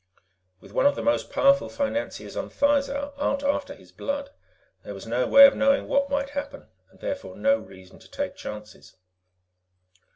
With one of the most powerful financiers on Thizar out after his blood, there was no way of knowing what might happen, and therefore no reason to take chances.